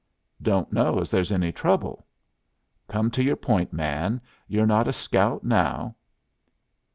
"Don't know as there's any trouble." "Come to your point, man; you're not a scout now."